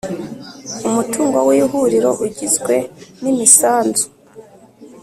Umutungo w Ihuriro ugizwe n’imisanzu